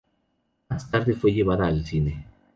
Más tarde fue llevada al cine.